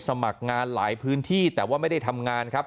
สมัครงานหลายพื้นที่แต่ว่าไม่ได้ทำงานครับ